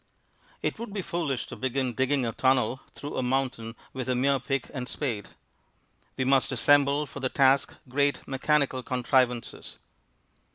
It would be foolish to begin digging a tunnel through a mountain with a mere pick and spade. We must assemble for the task great mechanical contrivances.